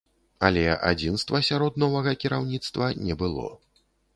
Але адзінства сярод новага кіраўніцтва не было.